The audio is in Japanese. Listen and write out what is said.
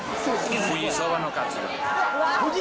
富士そばのカツ丼。